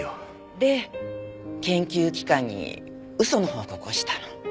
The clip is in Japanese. で研究機関に嘘の報告をしたの。